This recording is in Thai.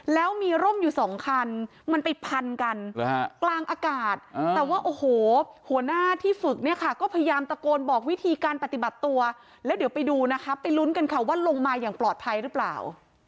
แล้วเดี๋ยวไปดูนะครับไปลุ้นกันค่ะว่าลงมาอย่างปลอดภัยหรือเปล่า